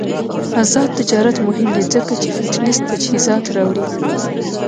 آزاد تجارت مهم دی ځکه چې فټنس تجهیزات راوړي.